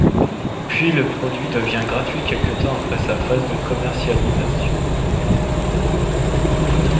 Puis le produit devient gratuit quelque temps après sa phase de commercialisation.